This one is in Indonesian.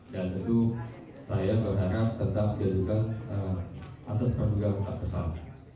dan itu saya berharap tetap diadukan aset perhubungan tetap kesal